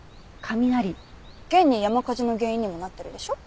現に山火事の原因にもなってるでしょ？